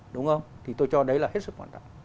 đúng không thì tôi cho đấy là hết sức quan trọng